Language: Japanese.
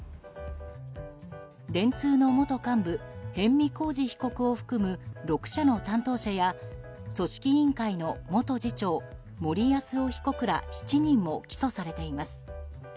電通の元幹部逸見晃治被告を含む６社の担当者や組織委員会の元次長森泰夫被告ら７人も起訴されています。